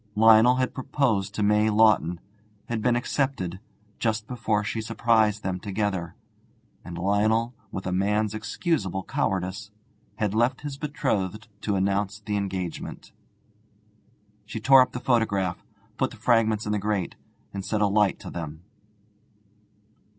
Lionel had proposed to May Lawton, and been accepted, just before she surprised them together; and Lionel, with a man's excusable cowardice, had left his betrothed to announce the engagement. She tore up the photograph, put the fragments in the grate, and set a light to them.